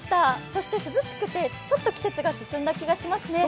そして涼しくてちょっと季節が進んだ気がしますね。